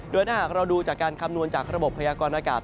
โดยถ้าหากเราดูจากการคำนวณจากระบบพยากรณากาศ